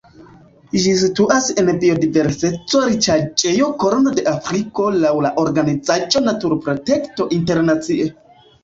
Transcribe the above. Ĝi situas en la biodiverseco-riĉaĵejo Korno de Afriko laŭ la organizaĵo Naturprotekto Internacie.